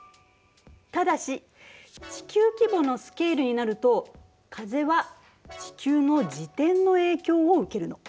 ただし地球規模のスケールになると風は地球の自転の影響を受けるの。